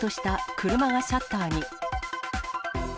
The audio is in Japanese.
車がシャッターに。